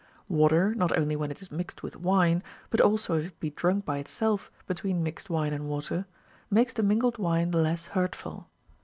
Water, not only when it is mixed with wine, but also if it be drunk by itself between mixed wine and water, makes the mingled wine the less hurtful.